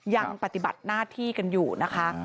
ยังปฏิบัติหน้าที่กันอยู่นะคะ